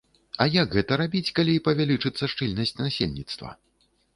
А як гэта рабіць, калі павялічыцца шчыльнасць насельніцтва?